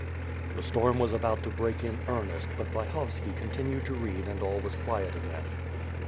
The storm was about to break in earnest, but Vyhovski con tinued to read and all was quiet again.